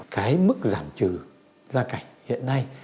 cái mức giảm trừ gia cảnh hiện nay